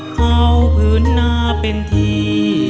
เข้าพื้นหน้าเป็นที่